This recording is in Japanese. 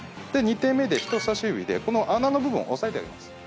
２手目で人さし指でこの穴の部分を押さえてあげます。